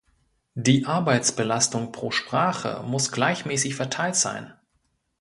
Die Arbeitsbelastung pro Sprache muss gleichmäßig verteilt sein.